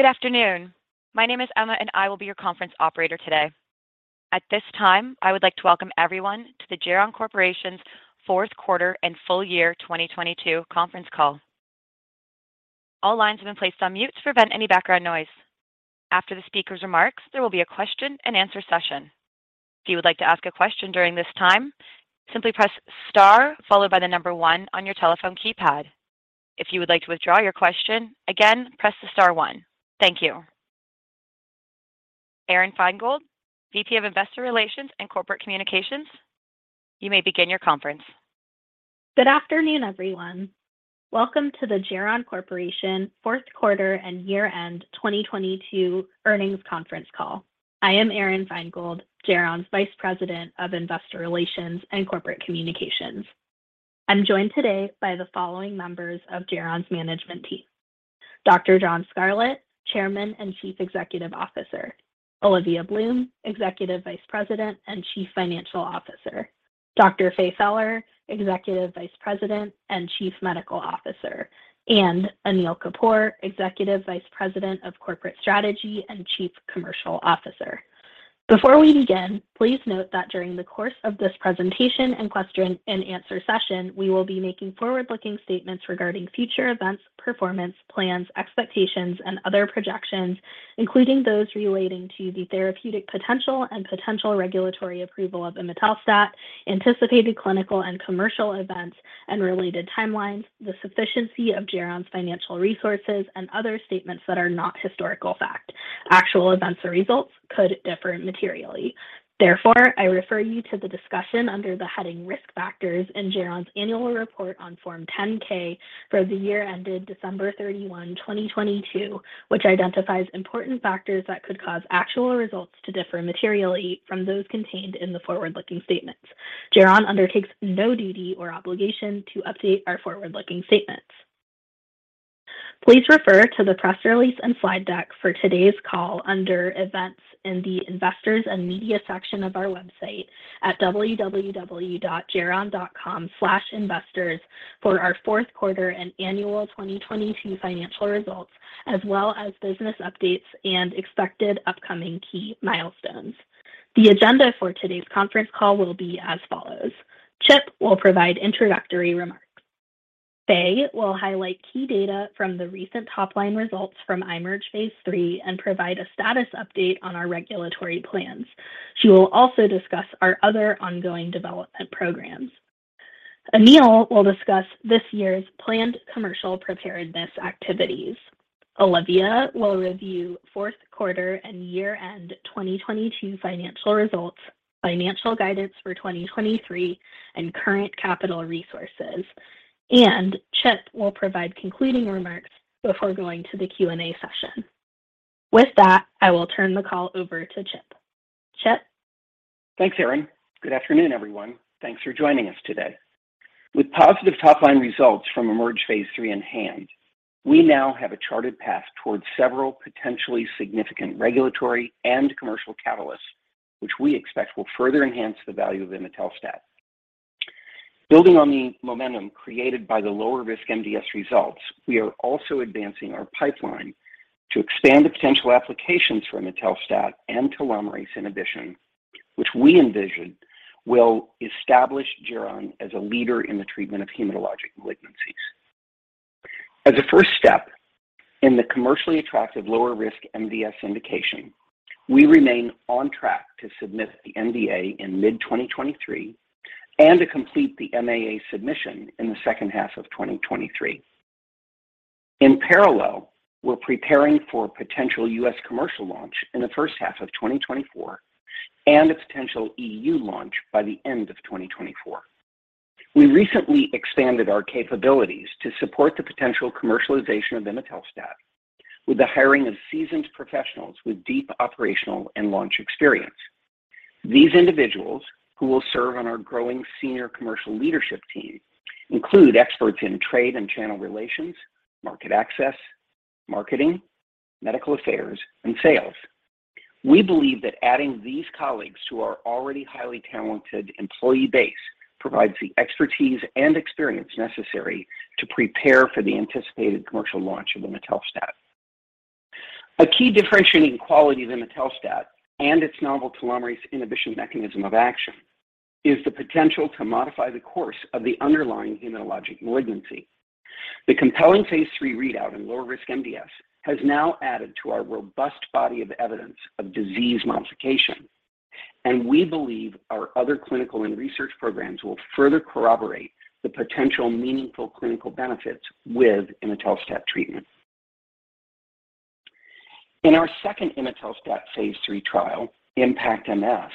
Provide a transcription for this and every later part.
Good afternoon. My name is Emma, I will be your conference operator today. At this time, I would like to welcome everyone to the Geron Corporation's Fourth Quarter and Full Year 2022 Conference Call. All lines have been placed on mute to prevent any background noise. After the speaker's remarks, there will be a question-and-answer session. If you would like to ask a question during this time, simply press star followed by the number one on your telephone keypad. If you would like to withdraw your question, again, press the star one. Thank you. Aron Feingold, VP of Investor Relations and Corporate Communications, you may begin your conference. Good afternoon, everyone. Welcome to the Geron Corporation Fourth Quarter and Year-End 2022 Earnings Conference Calll. I am Aron Feingold, Geron's Vice President of Investor Relations and Corporate Communications. I'm joined today by the following members of Geron's Management Team. Dr. John Scarlett, Chairman and Chief Executive Officer. Olivia Bloom, Executive Vice President and Chief Financial Officer. Dr. Faye Feller, Executive Vice President and Chief Medical Officer, and Anil Kapur, Executive Vice President of Corporate Strategy and Chief Commercial Officer. Before we begin, please note that during the course of this presentation and question-and-answer session, we will be making forward-looking statements regarding future events, performance, plans, expectations, and other projections, including those relating to the therapeutic potential and potential regulatory approval of imetelstat, anticipated clinical and commercial events and related timelines, the sufficiency of Geron's financial resources, and other statements that are not historical fact. Actual events or results could differ materially. Therefore, I refer you to the discussion under the heading Risk Factors in Geron's annual report on Form 10-K for the year ended December 31, 2022, which identifies important factors that could cause actual results to differ materially from those contained in the forward-looking statements. Geron undertakes no duty or obligation to update our forward-looking statements. Please refer to the press release and slide deck for today's call under Events in the Investors and Media section of our website at www.geron.com/investors for our fourth quarter and annual 2022 financial results, as well as business updates and expected upcoming key milestones. The agenda for today's conference call will be as follows. Chip will provide introductory remarks. Faye will highlight key data from the recent top-line results from IMerge phase III and provide a status update on our regulatory plans. She will also discuss our other ongoing development programs. Anil will discuss this year's planned commercial preparedness activities. Olivia will review fourth quarter and year-end 2022 financial results, financial guidance for 2023, and current capital resources. Chip will provide concluding remarks before going to the Q&A session. With that, I will turn the call over to Chip. Chip? Thanks, Aron. Good afternoon, everyone. Thanks for joining us today. With positive top-line results from IMerge phase III in hand, we now have a charted path towards several potentially significant regulatory and commercial catalysts, which we expect will further enhance the value of imetelstat. Building on the momentum created by the lower-risk MDS results, we are also advancing our pipeline to expand the potential applications for imetelstat and telomerase inhibition, which we envision will establish Geron as a leader in the treatment of hematologic malignancies. As a first step in the commercially attractive lower-risk MDS indication, we remain on track to submit the NDA in mid-2023 and to complete the MAA submission in the second half of 2023. In parallel, we're preparing for a potential U.S. commercial launch in the first half of 2024 and a potential E.U. launch by the end of 2024. We recently expanded our capabilities to support the potential commercialization of imetelstat with the hiring of seasoned professionals with deep operational and launch experience. These individuals who will serve on our growing senior commercial leadership team include experts in trade and channel relations, market access, marketing, medical affairs, and sales. We believe that adding these colleagues to our already highly talented employee base provides the expertise and experience necessary to prepare for the anticipated commercial launch of imetelstat. A key differentiating quality of imetelstat and its novel telomerase inhibition mechanism of action is the potential to modify the course of the underlying hematologic malignancy. The compelling phase III readout in lower-risk MDS has now added to our robust body of evidence of disease modification. We believe our other clinical and research programs will further corroborate the potential meaningful clinical benefits with imetelstat treatment. In our second imetelstat phase III trial, IMpactMF,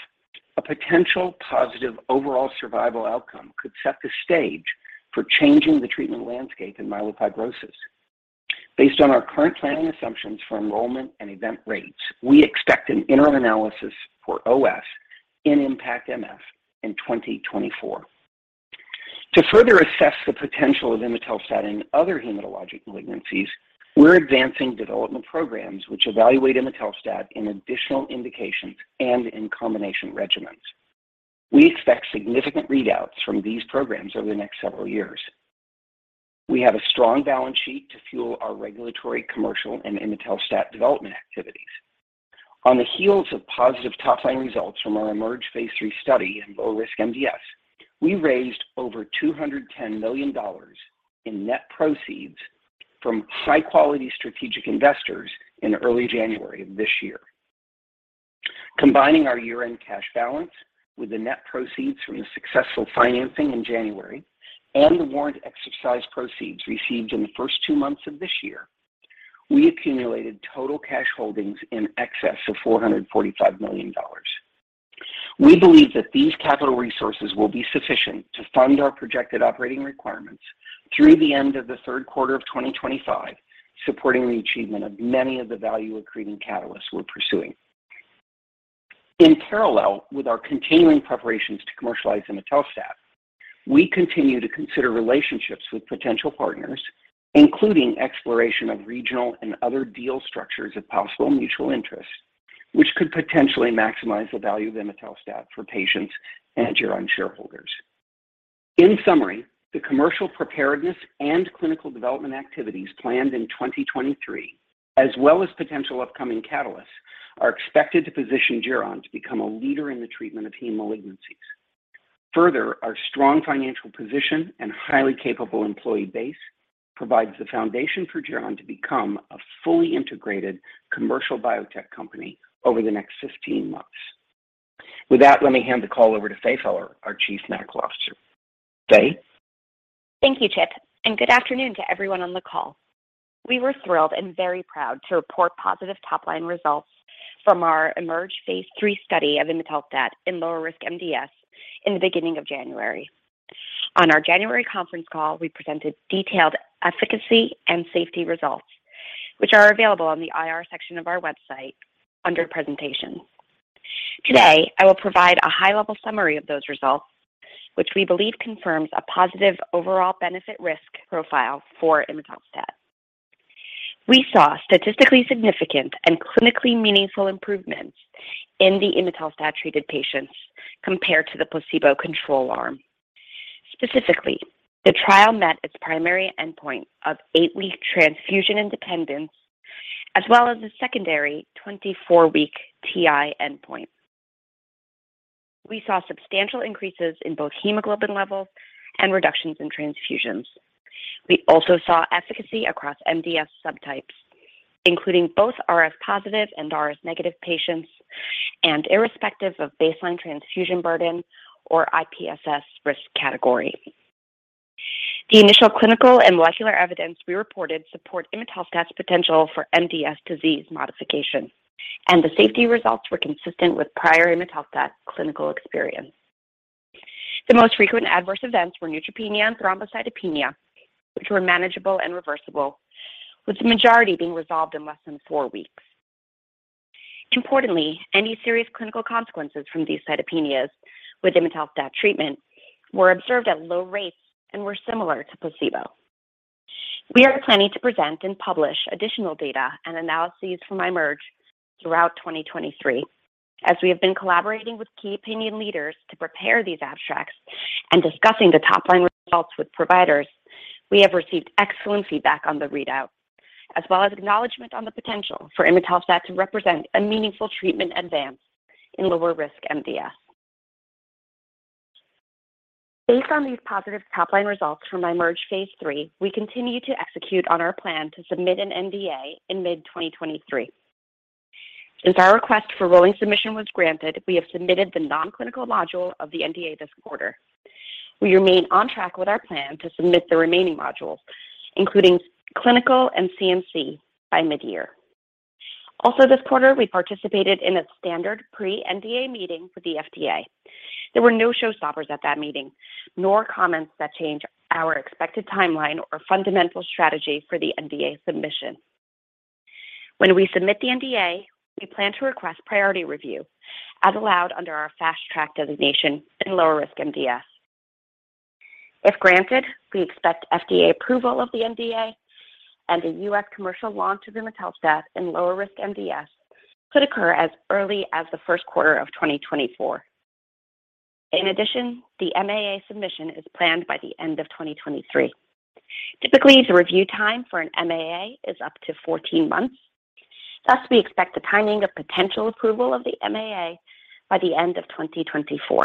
a potential positive overall survival outcome could set the stage for changing the treatment landscape in myelofibrosis. Based on our current planning assumptions for enrollment and event rates, we expect an interim analysis for OS in IMpactMF in 2024. To further assess the potential of imetelstat in other hematologic malignancies, we're advancing development programs which evaluate imetelstat in additional indications and in combination regimens. We expect significant readouts from these programs over the next several years. We have a strong balance sheet to fuel our regulatory, commercial, and imetelstat development activities. On the heels of positive top-line results from our IMerge phase III study in lower-risk MDS, we raised over $210 million in net proceeds from high-quality strategic investors in early January of this year. Combining our year-end cash balance with the net proceeds from the successful financing in January and the warrant exercise proceeds received in the first two months of this year, we accumulated total cash holdings in excess of $445 million. We believe that these capital resources will be sufficient to fund our projected operating requirements through the end of the third quarter of 2025, supporting the achievement of many of the value-accreting catalysts we're pursuing. In parallel with our continuing preparations to commercialize imetelstat, we continue to consider relationships with potential partners, including exploration of regional and other deal structures of possible mutual interest, which could potentially maximize the value of imetelstat for patients and Geron shareholders. In summary, the commercial preparedness and clinical development activities planned in 2023, as well as potential upcoming catalysts, are expected to position Geron to become a leader in the treatment of hematologic malignancies. Our strong financial position and highly capable employee base provides the foundation for Geron to become a fully integrated commercial biotech company over the next 15 months. With that, let me hand the call over to Faye Feller, our Chief Medical Officer. Faye? Thank you, Chip, and good afternoon to everyone on the call. We were thrilled and very proud to report positive top-line results from our IMerge phase III study of imetelstat in lower-risk MDS in the beginning of January. On our January conference call, we presented detailed efficacy and safety results, which are available on the IR section of our website under Presentations. Today, I will provide a high-level summary of those results, which we believe confirms a positive overall benefit risk profile for imetelstat. We saw statistically significant and clinically meaningful improvements in the imetelstat-treated patients compared to the placebo control arm. Specifically, the trial met its primary endpoint of eight-week transfusion independence as well as the secondary 24-week TI endpoint. We saw substantial increases in both hemoglobin levels and reductions in transfusions. We also saw efficacy across MDS subtypes, including both RF positive and RF negative patients and irrespective of baseline transfusion burden or IPSS risk category. The initial clinical and molecular evidence we reported support imetelstat's potential for MDS disease modification, and the safety results were consistent with prior imetelstat clinical experience. The most frequent adverse events were neutropenia and thrombocytopenia, which were manageable and reversible, with the majority being resolved in less than four weeks. Importantly, any serious clinical consequences from these cytopenias with imetelstat treatment were observed at low rates and were similar to placebo. We are planning to present and publish additional data and analyses from IMerge throughout 2023. As we have been collaborating with key opinion leaders to prepare these abstracts and discussing the top-line results with providers, we have received excellent feedback on the readout, as well as acknowledgement on the potential for imetelstat to represent a meaningful treatment advance in lower-risk MDS. Based on these positive top-line results from IMerge phase III, we continue to execute on our plan to submit an NDA in mid-2023. Since our request for rolling submission was granted, we have submitted the non-clinical module of the NDA this quarter. We remain on track with our plan to submit the remaining modules, including clinical and CMC, by mid-year. This quarter, we participated in a standard pre-NDA meeting with the FDA. There were no showstoppers at that meeting, nor comments that change our expected timeline or fundamental strategy for the NDA submission. When we submit the NDA, we plan to request priority review as allowed under our Fast Track designation in lower-risk MDS. If granted, we expect FDA approval of the NDA and a U.S. commercial launch of imetelstat in lower-risk MDS could occur as early as the first quarter of 2024. The MAA submission is planned by the end of 2023. Typically, the review time for an MAA is up to 14 months. We expect the timing of potential approval of the MAA by the end of 2024.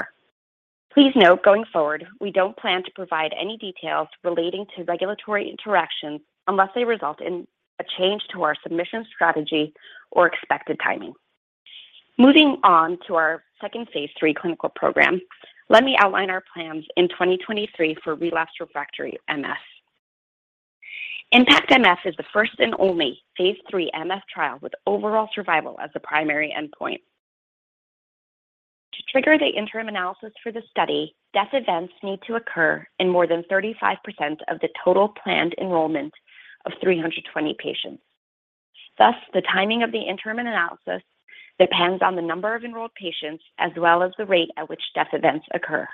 We don't plan to provide any details relating to regulatory interactions unless they result in a change to our submission strategy or expected timing. Let me outline our plans in 2023 for relapsed refractory myelofibrosis. IMpactMF is the first and only phase III MF trial with overall survival as the primary endpoint. To trigger the interim analysis for the study, death events need to occur in more than 35% of the total planned enrollment of 320 patients. The timing of the interim analysis depends on the number of enrolled patients as well as the rate at which death events occur.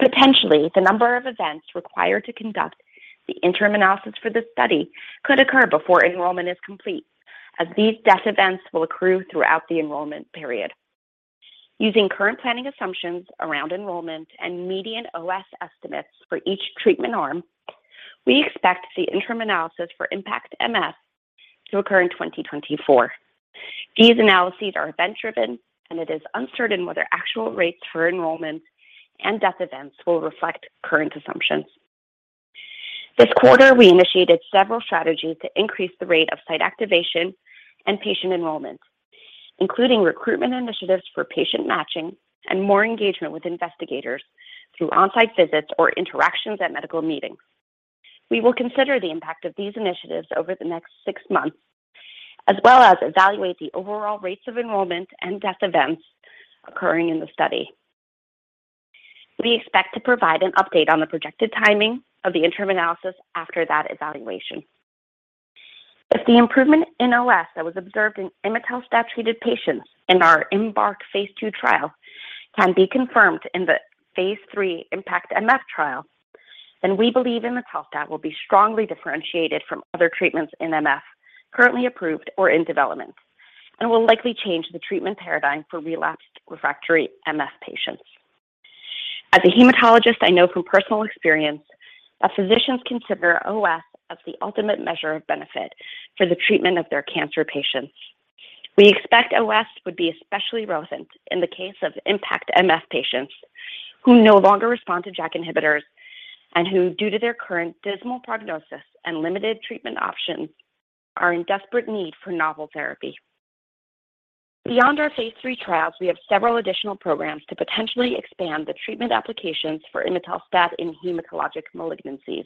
Potentially, the number of events required to conduct the interim analysis for this study could occur before enrollment is complete, as these death events will accrue throughout the enrollment period. Using current planning assumptions around enrollment and median OS estimates for each treatment arm, we expect the interim analysis for IMpactMF to occur in 2024. It is uncertain whether actual rates for enrollment and death events will reflect current assumptions. This quarter, we initiated several strategies to increase the rate of site activation and patient enrollment, including recruitment initiatives for patient matching and more engagement with investigators through on-site visits or interactions at medical meetings. We will consider the impact of these initiatives over the next six months, as well as evaluate the overall rates of enrollment and death events occurring in the study. We expect to provide an update on the projected timing of the interim analysis after that evaluation. If the improvement in OS that was observed in imetelstat-treated patients in our IMbark phase II trial can be confirmed in the phase III IMpactMF trial, then we believe imetelstat will be strongly differentiated from other treatments in MF currently approved or in development and will likely change the treatment paradigm for relapsed/refractory MF patients. As a hematologist, I know from personal experience that physicians consider OS as the ultimate measure of benefit for the treatment of their cancer patients. We expect OS would be especially relevant in the case of IMpactMF patients who no longer respond to JAK inhibitors and who, due to their current dismal prognosis and limited treatment options, are in desperate need for novel therapy. Beyond our phase III trials, we have several additional programs to potentially expand the treatment applications for imetelstat in hematologic malignancies.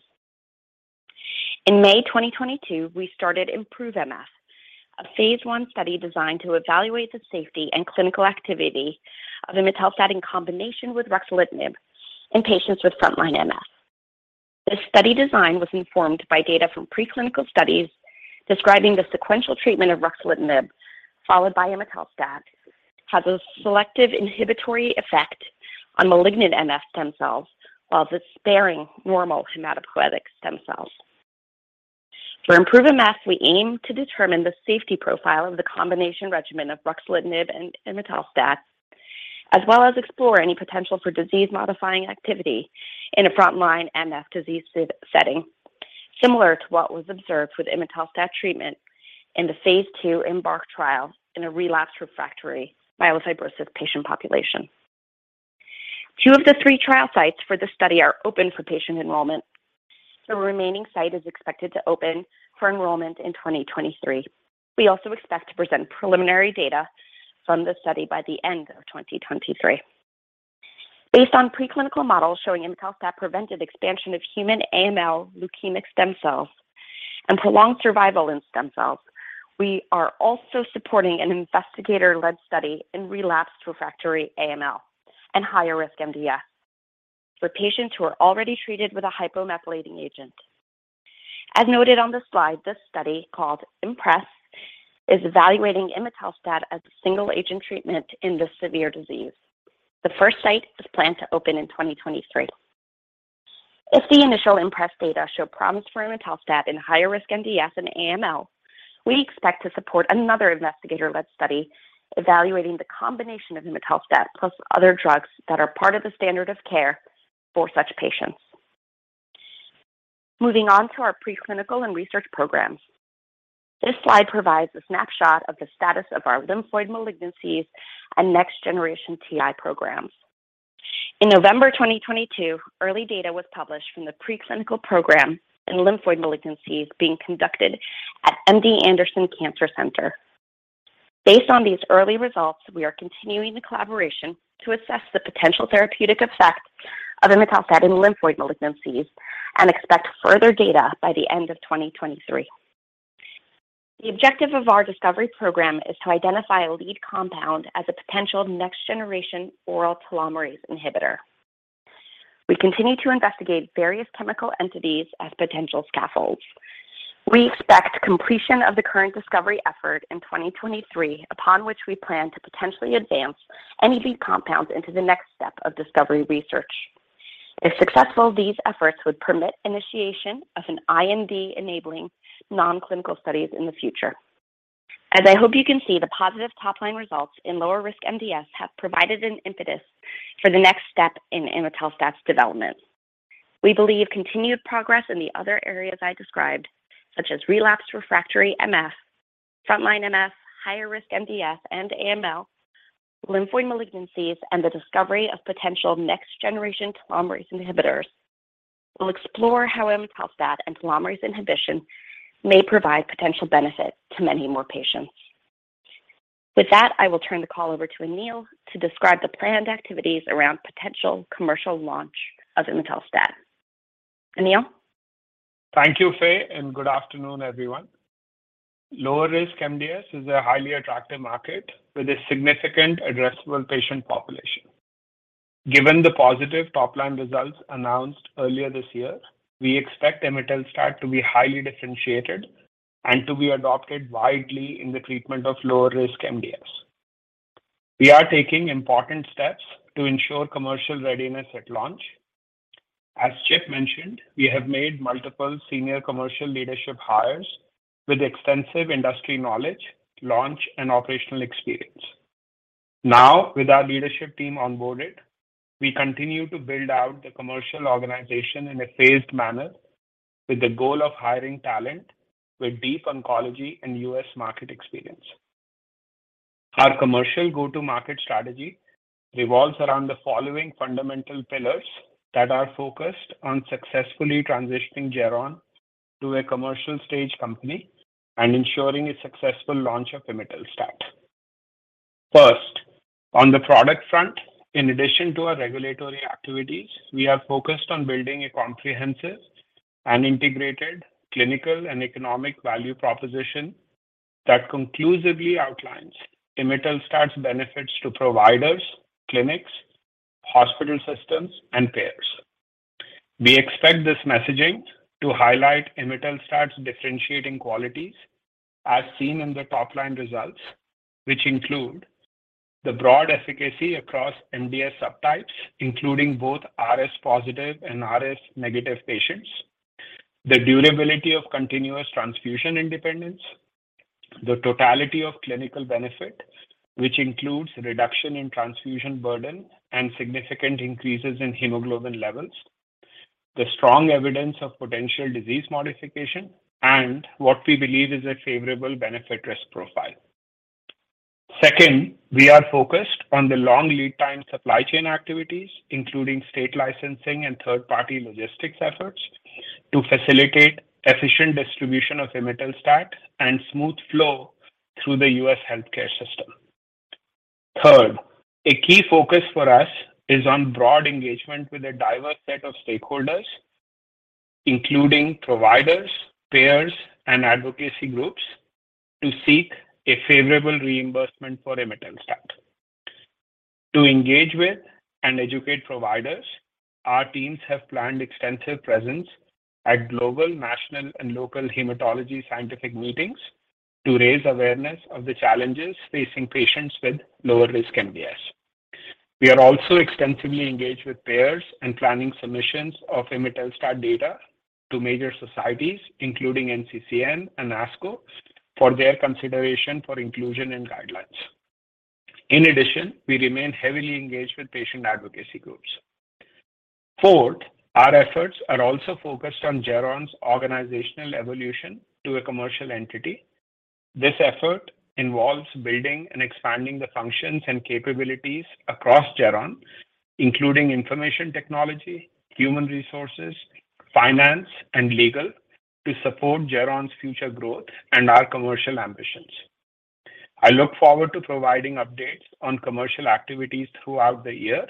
In May 2022, we started IMproveMF, a phase I study designed to evaluate the safety and clinical activity of imetelstat in combination with ruxolitinib in patients with frontline MF. This study design was informed by data from preclinical studies describing the sequential treatment of ruxolitinib followed by imetelstat has a selective inhibitory effect on malignant MF stem cells while sparing normal hematopoietic stem cells. For IMproveMF, we aim to determine the safety profile of the combination regimen of ruxolitinib and imetelstat, as well as explore any potential for disease-modifying activity in a frontline MF disease setting, similar to what was observed with imetelstat treatment in the phase II IMbark trial in a relapsed/refractory myelofibrosis patient population. Two of the three trial sites for this study are open for patient enrollment. The remaining site is expected to open for enrollment in 2023. We also expect to present preliminary data from this study by the end of 2023. Based on preclinical models showing imetelstat prevented expansion of human AML leukemic stem cells and prolonged survival in stem cells, we are also supporting an investigator-led study in relapsed/refractory AML and higher-risk MDS for patients who are already treated with a hypomethylating agent. As noted on the slide, this study, called IMpress, is evaluating imetelstat as a single-agent treatment in this severe disease. The first site is planned to open in 2023. If the initial IMpress data show promise for imetelstat in higher-risk MDS and AML, we expect to support another investigator-led study evaluating the combination of imetelstat plus other drugs that are part of the standard of care for such patients. Moving on to our Preclinical and Research Programs. This slide provides a snapshot of the status of our lymphoid malignancies and next-generation TI programs. In November 2022, early data was published from the preclinical program in lymphoid malignancies being conducted at MD Anderson Cancer Center. Based on these early results, we are continuing the collaboration to assess the potential therapeutic effect of imetelstat in lymphoid malignancies and expect further data by the end of 2023. The objective of our discovery program is to identify a lead compound as a potential next-generation oral telomerase inhibitor. We continue to investigate various chemical entities as potential scaffolds. We expect completion of the current discovery effort in 2023, upon which we plan to potentially advance any lead compounds into the next step of discovery research. If successful, these efforts would permit initiation of an IND enabling nonclinical studies in the future. As I hope you can see, the positive top-line results in lower-risk MDS have provided an impetus for the next step in imetelstat's development. We believe continued progress in the other areas I described, such as relapsed/refractory MF, frontline MF, higher-risk MDS and AML, lymphoid malignancies, and the discovery of potential next-generation telomerase inhibitors, will explore how imetelstat and telomerase inhibition may provide potential benefit to many more patients. With that, I will turn the call over to Anil to describe the planned activities around potential commercial launch of imetelstat. Anil? Thank you, Faye, and good afternoon, everyone. Lower-risk MDS is a highly attractive market with a significant addressable patient population. Given the positive top-line results announced earlier this year, we expect imetelstat to be highly differentiated and to be adopted widely in the treatment of lower-risk MDS. We are taking important steps to ensure commercial readiness at launch. As Chip mentioned, we have made multiple senior commercial leadership hires with extensive industry knowledge, launch, and operational experience. Now, with our leadership team onboarded, we continue to build out the commercial organization in a phased manner with the goal of hiring talent with deep oncology and U.S. market experience. Our commercial go-to-market strategy revolves around the following fundamental pillars that are focused on successfully transitioning Geron to a commercial stage company and ensuring a successful launch of imetelstat. First, on the product front, in addition to our regulatory activities, we are focused on building a comprehensive and integrated clinical and economic value proposition that conclusively outlines imetelstat's benefits to providers, clinics, hospital systems, and payers. We expect this messaging to highlight imetelstat's differentiating qualities as seen in the top-line results, which include the broad efficacy across MDS subtypes, including both RS positive and RS negative patients, the durability of continuous transfusion independence, the totality of clinical benefit which includes reduction in transfusion burden and significant increases in hemoglobin levels, the strong evidence of potential disease modification, and what we believe is a favorable benefit risk profile. Second, we are focused on the long lead time supply chain activities, including state licensing and third-party logistics efforts to facilitate efficient distribution of imetelstat and smooth flow through the U.S. healthcare system. Third, a key focus for us is on broad engagement with a diverse set of stakeholders, including providers, payers, and advocacy groups, to seek a favorable reimbursement for imetelstat. To engage with and educate providers, our teams have planned extensive presence at global, national, and local hematology scientific meetings to raise awareness of the challenges facing patients with lower-risk MDS. We are also extensively engaged with payers and planning submissions of imetelstat data to major societies, including NCCN and ASCO, for their consideration for inclusion and guidelines. In addition, we remain heavily engaged with patient advocacy groups. Fourth, our efforts are also focused on Geron's organizational evolution to a commercial entity. This effort involves building and expanding the functions and capabilities across Geron, including Information Technology, Human Resources, Finance, and Legal to support Geron's future growth and our commercial ambitions. I look forward to providing updates on commercial activities throughout the year.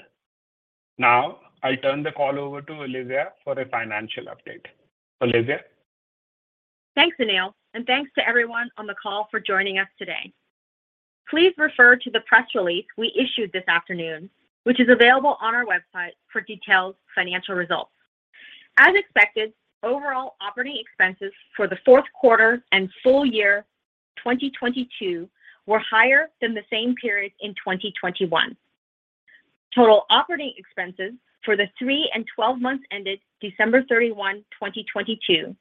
Now, I turn the call over to Olivia for a financial update. Olivia. Thanks, Anil, thanks to everyone on the call for joining us today. Please refer to the press release we issued this afternoon, which is available on our website for detailed financial results. As expected, overall operating expenses for the fourth quarter and full year 2022 were higher than the same period in 2021. Total operating expenses for the three and 12 months ended December 31, 2022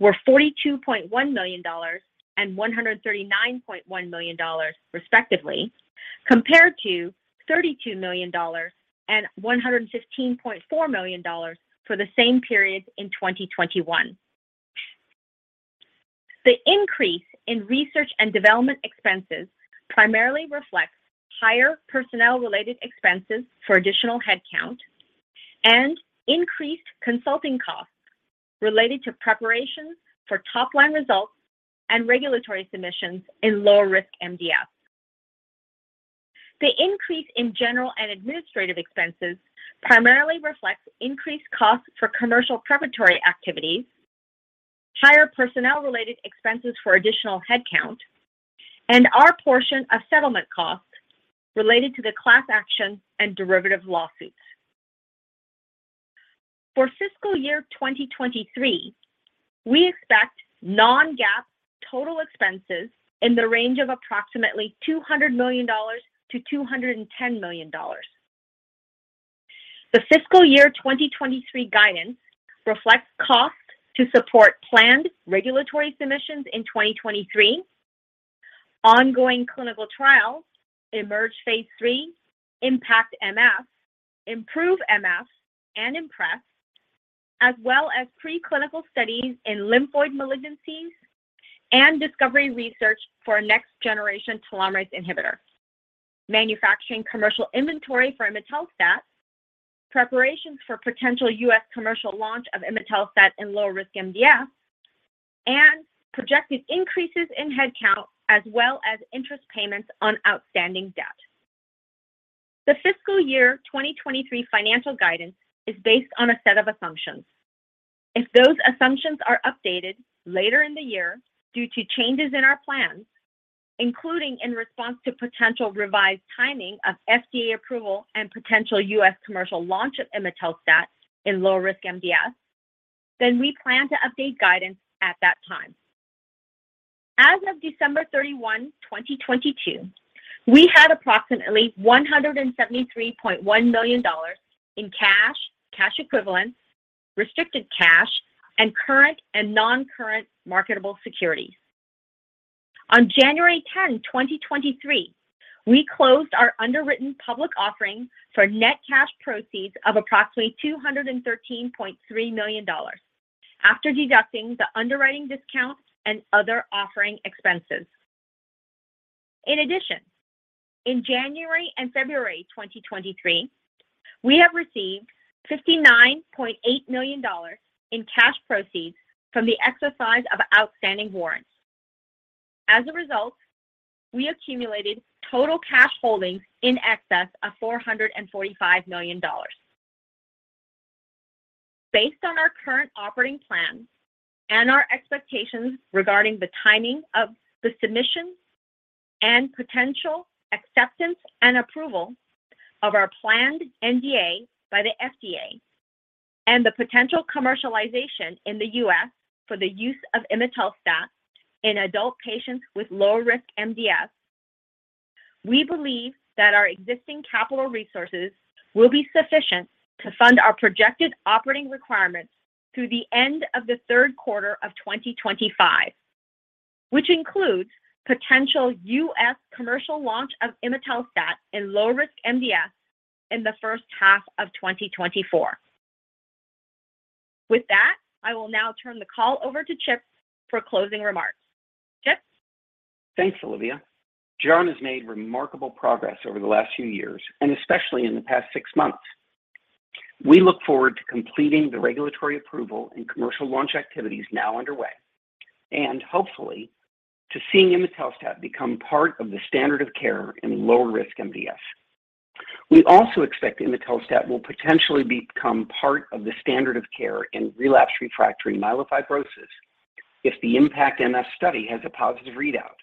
were $42.1 million and $139.1 million, respectively, compared to $32 million and $115.4 million for the same period in 2021. The increase in research and development expenses primarily reflects higher personnel-related expenses for additional headcount and increased consulting costs related to preparations for top-line results and regulatory submissions in lower-risk MDS. The increase in general and administrative expenses primarily reflects increased costs for commercial preparatory activities, higher personnel-related expenses for additional headcount, and our portion of settlement costs related to the class action and derivative lawsuits. For fiscal year 2023, we expect non-GAAP total expenses in the range of approximately $200 million-$210 million. The fiscal year 2023 guidance reflects costs to support planned regulatory submissions in 2023, ongoing clinical trials, IMerge phase III, IMpactMF, IMproveMF, and IMpress, as well as preclinical studies in lymphoid malignancies and discovery research for a next-generation telomerase inhibitor. Manufacturing commercial inventory for imetelstat, preparations for potential U.S. commercial launch of imetelstat in lower-risk MDS, and projected increases in headcount as well as interest payments on outstanding debt. The fiscal year 2023 financial guidance is based on a set of assumptions. If those assumptions are updated later in the year due to changes in our plans, including in response to potential revised timing of FDA approval and potential U.S. commercial launch of imetelstat in lower risk MDS. We plan to update guidance at that time. As of December 31, 2022, we had approximately $173.1 million in cash, cash equivalents, restricted cash, and current and non-current marketable securities. On January 10, 2023, we closed our underwritten public offering for net cash proceeds of approximately $213.3 million after deducting the underwriting discounts and other offering expenses. In addition, in January and February 2023, we have received $59.8 million in cash proceeds from the exercise of outstanding warrants. As a result, we accumulated total cash holdings in excess of $445 million. Based on our current operating plans and our expectations regarding the timing of the submission and potential acceptance and approval of our planned NDA by the FDA and the potential commercialization in the U.S. for the use of imetelstat in adult patients with low risk MDS, we believe that our existing capital resources will be sufficient to fund our projected operating requirements through the end of the third quarter of 2025, which includes potential U.S. commercial launch of imetelstat in low risk MDS in the first half of 2024. With that, I will now turn the call over to Chip for closing remarks. Chip? Thanks, Olivia. Geron has made remarkable progress over the last few years, especially in the past six months. We look forward to completing the regulatory approval and commercial launch activities now underway, hopefully to seeing imetelstat become part of the standard of care in lower-risk MDS. We also expect imetelstat will potentially become part of the standard of care in relapsed/refractory myelofibrosis if the IMpactMF study has a positive readout,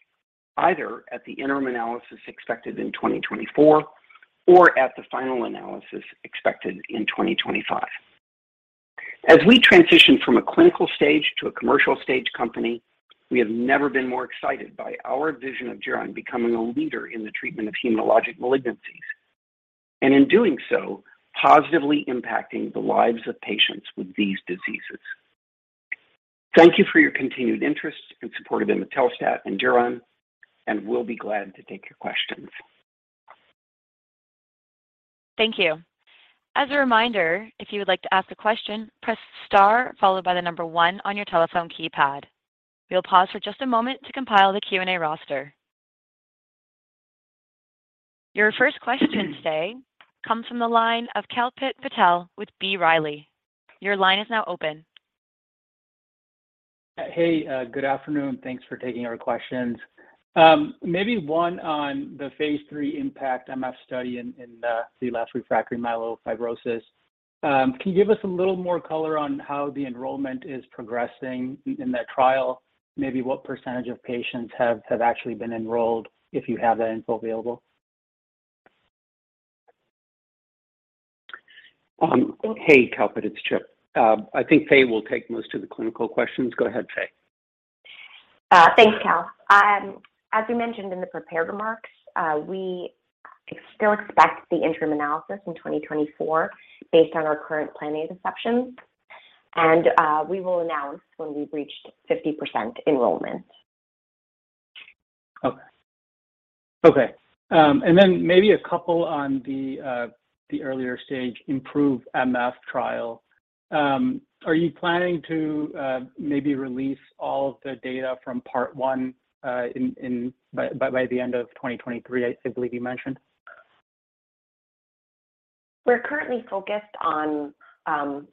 either at the interim analysis expected in 2024 or at the final analysis expected in 2025. As we transition from a clinical stage to a commercial stage company, we have never been more excited by our vision of Geron becoming a leader in the treatment of hematologic malignancies, and in doing so, positively impacting the lives of patients with these diseases. Thank you for your continued interest and support of imetelstat and Geron, and we'll be glad to take your questions. Thank you. As a reminder, if you would like to ask a question, press star followed by the number one on your telephone keypad. We'll pause for just a moment to compile the Q&A roster. Your first question today comes from the line of Kalpit Patel with B. Riley. Your line is now open. Hey, good afternoon. Thanks for taking our questions. Maybe one on the phase III IMpactMF study in the relapse/refractory myelofibrosis. Can you give us a little more color on how the enrollment is progressing in that trial? Maybe what percentage of patients have actually been enrolled, if you have that info available? Hey, Kalpit, it's Chip. I think Faye will take most of the clinical questions. Go ahead, Faye. Thanks, Kal. As we mentioned in the prepared remarks, we still expect the interim analysis in 2024 based on our current planning assumptions. We will announce when we've reached 50% enrollment. Okay. Okay. Maybe a couple on the earlier stage IMproveMF trial. Are you planning to maybe release all of the data from part one in by the end of 2023, I believe you mentioned? We're currently focused on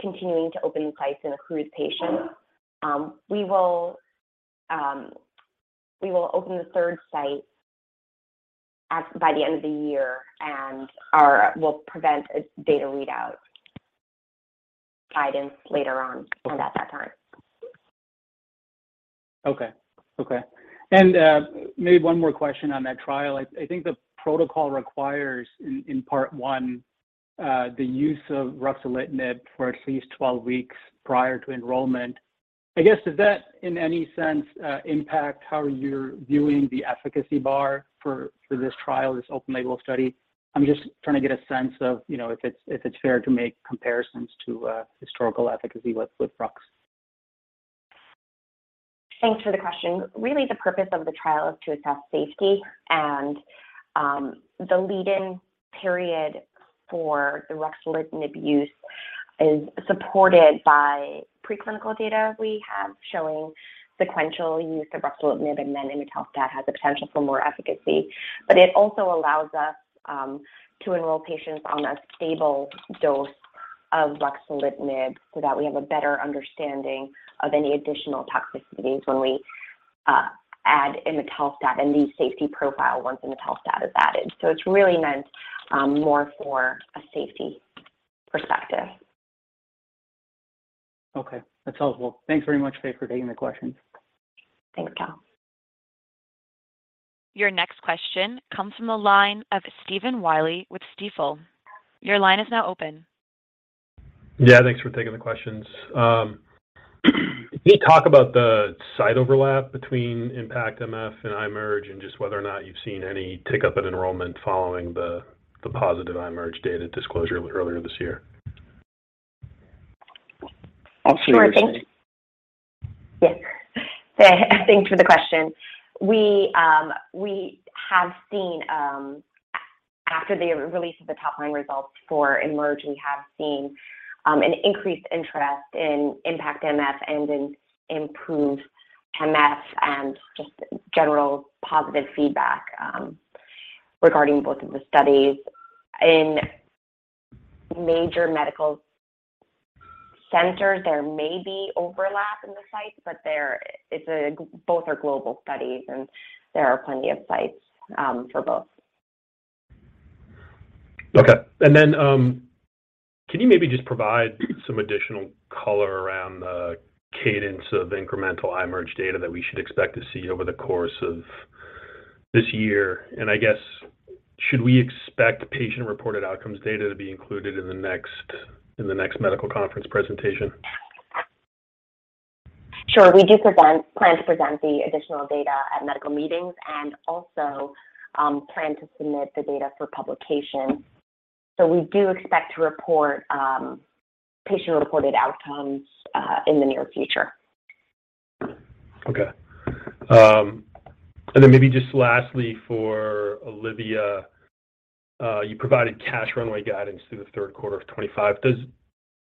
continuing to open sites and accrue patients. We will open the third site at by the end of the year, and we'll present a data readout guidance later on at that time. Okay. Okay. Maybe one more question on that trial. I think the protocol requires in part one, the use of ruxolitinib for at least 12 weeks prior to enrollment. I guess, does that in any sense impact how you're viewing the efficacy bar for this trial, this open-label study? I'm just trying to get a sense of, you know, if it's fair to make comparisons to historical efficacy with rux. Thanks for the question. Really the purpose of the trial is to assess safety and the lead-in period for the ruxolitinib use is supported by preclinical data we have showing sequential use of ruxolitinib and then imetelstat has the potential for more efficacy. It also allows us to enroll patients on a stable dose of ruxolitinib so that we have a better understanding of any additional toxicities when we add imetelstat and the safety profile once imetelstat is added. It's really meant more for a safety perspective. That's helpful. Thanks very much, Faye, for taking the questions. Thanks, Kal. Your next question comes from the line of Stephen Willey with Stifel. Your line is now open. Thanks for taking the questions. Can you talk about the site overlap between IMpactMF and IMerge and just whether or not you've seen any tick-up in enrollment following the positive IMerge data disclosure earlier this year? Sure thing. Yes. Thanks for the question. We have seen after the release of the top-line results for IMerge, we have seen an increased interest in IMpactMF and in IMproveMF and just general positive feedback regarding both of the studies. In major medical centers, there may be overlap in the sites, but both are global studies, and there are plenty of sites for both. Okay. Can you maybe just provide some additional color around the cadence of incremental IMerge data that we should expect to see over the course of this year? Should we expect patient-reported outcomes data to be included in the next medical conference presentation? Sure. We do plan to present the additional data at medical meetings and also, plan to submit the data for publication. We do expect to report, patient-reported outcomes, in the near future. Okay. Maybe just lastly for Olivia, you provided cash runway guidance through the third quarter of 2025.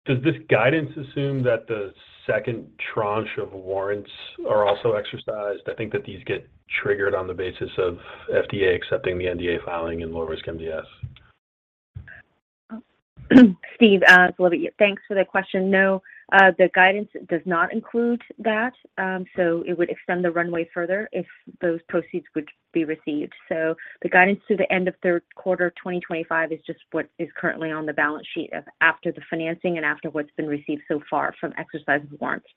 Does this guidance assume that the second tranche of warrants are also exercised? I think that these get triggered on the basis of FDA accepting the NDA filing in lower-risk MDS. Steve, it's Olivia. Thanks for the question. The guidance does not include that. It would extend the runway further if those proceeds would be received. The guidance through the end of third quarter 2025 is just what is currently on the balance sheet of after the financing and after what's been received so far from exercising the warrants.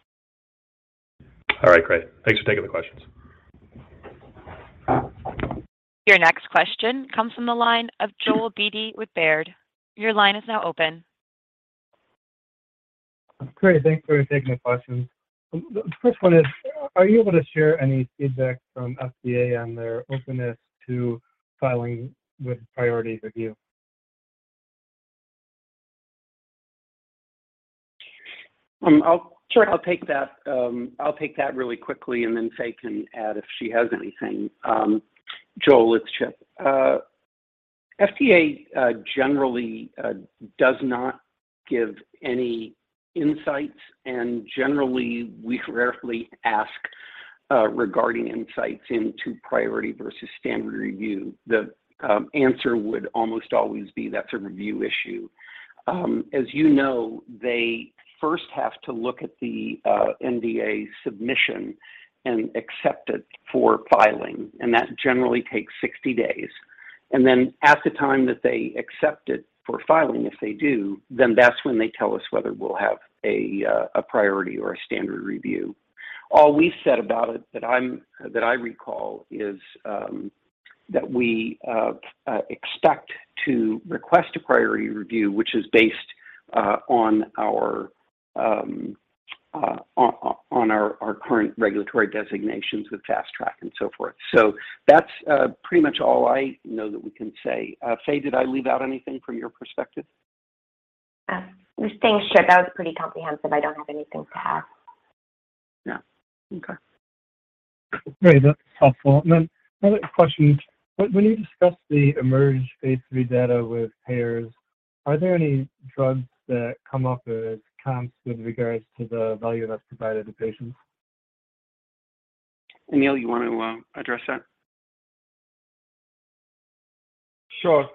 All right, great. Thanks for taking the questions. Your next question comes from the line of Joel Beatty with Baird. Your line is now open. Great. Thanks for taking the questions. The first one is, are you able to share any feedback from FDA on their openness to filing with priority review? Sure. Sure, I'll take that. I'll take that really quickly, and then Faye can add if she has anything. Joel, it's Chip. FDA generally does not give any insights, and generally, we rarely ask regarding insights into priority versus standard review. The answer would almost always be that's a review issue. As you know, they first have to look at the NDA submission and accept it for filing, and that generally takes 60 days. At the time that they accept it for filing, if they do, then that's when they tell us whether we'll have a priority or a standard review. All we've said about it that I recall is that we expect to request a priority review, which is based on our current regulatory designations with Fast Track and so forth. That's pretty much all I know that we can say. Faye, did I leave out anything from your perspective? Thanks, Chip. That was pretty comprehensive. I don't have anything to add. Yeah. Okay. Great. That's helpful. Another question. When you discuss the IMerge phase III data with payers, are there any drugs that come up as comps with regards to the value that's provided to patients? Anil, you wanna address that? Sure.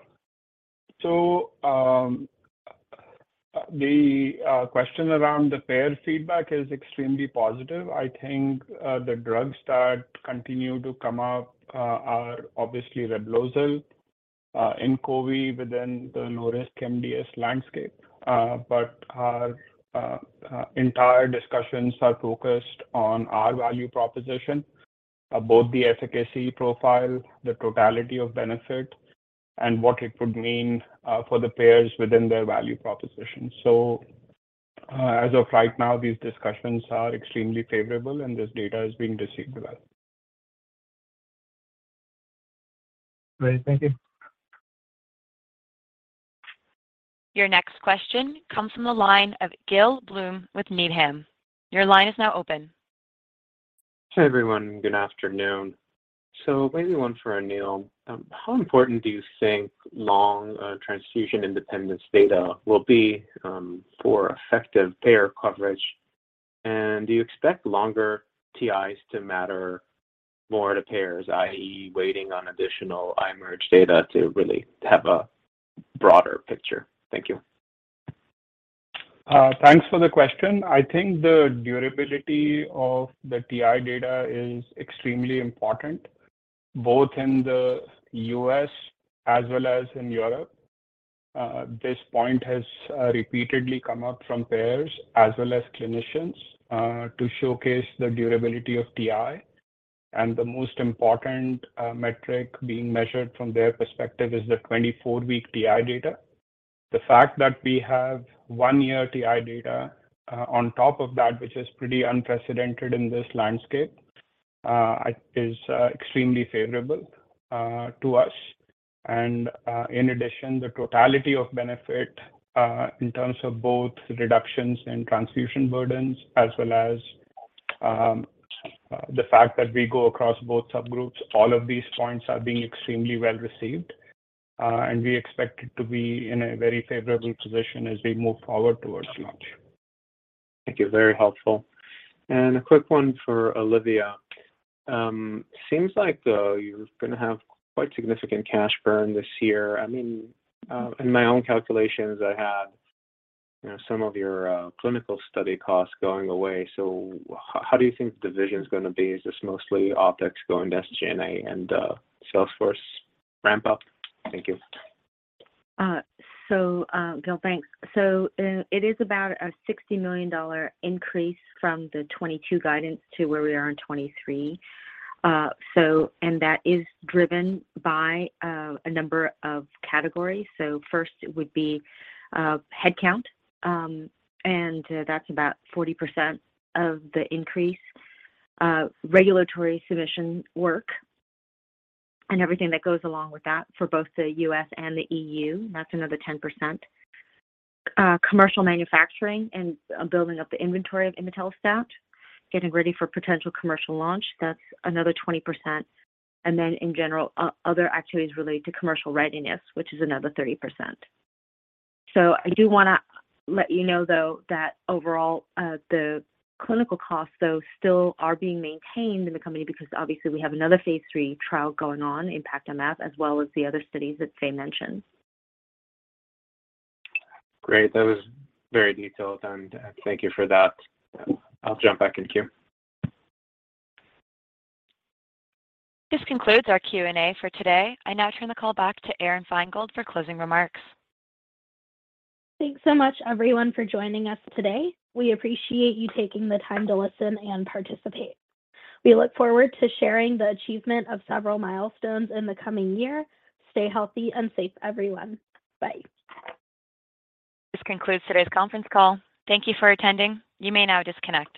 The question around the payer feedback is extremely positive. I think the drugs that continue to come up are obviously REVLIMID, INQOVI within the low-risk MDS landscape. But our entire discussions are focused on our value proposition, both the efficacy profile, the totality of benefit, and what it would mean for the payers within their value proposition. As of right now, these discussions are extremely favorable, and this data is being received well. Great. Thank you. Your next question comes from the line of Gil Blum with Needham. Your line is now open. Hey, everyone. Good afternoon. Maybe one for Anil. How important do you think long transfusion independence data will be for effective payer coverage? Do you expect longer TIs to matter more to payers, i.e., waiting on additional IMerge data to really have a broader picture? Thank you. Thanks for the question. I think the durability of the TI data is extremely important, both in the U.S. as well as in Europe. This point has repeatedly come up from payers as well as clinicians to showcase the durability of TI. The most important metric being measured from their perspective is the 24-week TI data. The fact that we have one-year TI data on top of that, which is pretty unprecedented in this landscape, is extremely favorable to us. In addition, the totality of benefit in terms of both reductions in transfusion burdens as well as the fact that we go across both subgroups, all of these points are being extremely well received. We expect it to be in a very favorable position as we move forward towards launch. Thank you. Very helpful. A quick one for Olivia. Seems like you're gonna have quite significant cash burn this year. I mean, in my own calculations I had, you know, some of your clinical study costs going away. How do you think the vision's gonna be? Is this mostly OpEx going to SG&A and sales force ramp up? Thank you. Gil, thanks. It is about a $60 million increase from the 2022 guidance to where we are in 2023. That is driven by a number of categories. First it would be headcount. That's about 40% of the increase. Regulatory submission work and everything that goes along with that for both the U.S. and the E.U., that's another 10%. Commercial manufacturing and building up the inventory of imetelstat, getting ready for potential commercial launch, that's another 20%. In general, other activities related to commercial readiness, which is another 30%. I do wanna let you know, though, that overall, the clinical costs though still are being maintained in the company because obviously we have another phase 3 trial going on, IMpactMF, as well as the other studies that Faye mentioned. Great. That was very detailed, and thank you for that. I'll jump back in queue. This concludes our Q&A for today. I now turn the call back to Aron Feingold for closing remarks. Thanks so much everyone for joining us today. We appreciate you taking the time to listen and participate. We look forward to sharing the achievement of several milestones in the coming year. Stay healthy and safe everyone. Bye. This concludes today's conference call. Thank you for attending. You may now disconnect.